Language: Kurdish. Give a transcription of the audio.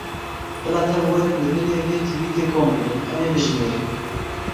Bila tev werin li binê vê twîtê kom bibin, em ê bijimêrin.